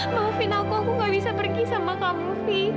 maafin aku aku gak bisa pergi sama kamu vi